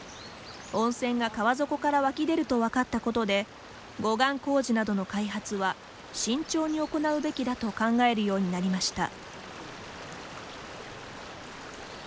温泉が川底から湧き出ると分かったことで護岸工事などの開発は慎重に行うべきだと考えるようになりました。